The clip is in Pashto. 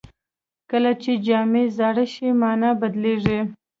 کله چې جامې زاړه شي، مانا بدلېږي.